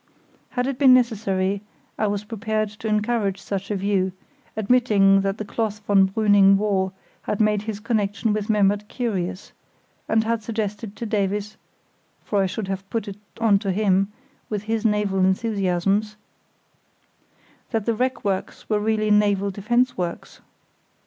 Had it been necessary I was prepared to encourage such a view, admitting that the cloth von Brüning wore had made his connexion with Memmert curious, and had suggested to Davies, for I should have put it on him, with his naval enthusiasms, that the wreck works were really naval defence works.